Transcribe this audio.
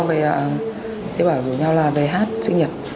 bọn em rủ nhau về hát sinh nhật